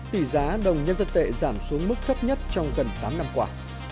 tỷ giá đồng nhân dân tệ giảm xuống mức thấp nhất trong gần tám năm qua